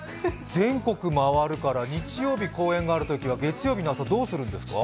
全国回るから日曜日公演がある日は月曜日の朝どうするんですか？